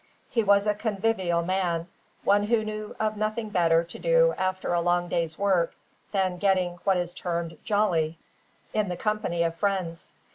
He was a convivial man, one who knew of nothing better to do after a long day's work than getting what is termed "jolly" in the company of friends.